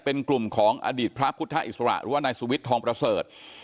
เป็นกลุ่มของอดีตพระพุทธอิสระหรือว่านายสุวิทย์ทองประเสริฐ